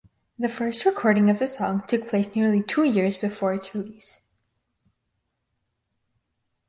The first recording of the song took place nearly two years before its release.